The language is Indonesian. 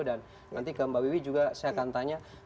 dan nanti ke mbak bewi juga saya akan tanya